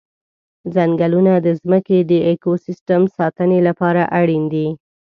ځنګلونه د ځمکې د اکوسیستم ساتنې لپاره اړین دي.